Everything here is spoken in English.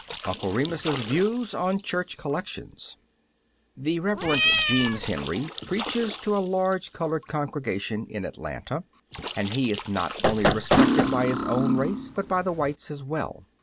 UNCLE REMUS'S VIEWS ON CHURCH COLLECTIONS THE Reverend Jeems Heniy preaches to a large colored con gregation in Atlanta, and he is not only respected by his own race, but by the whites as well.